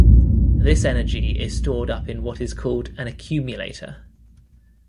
This energy is stored up in what is called an accumulator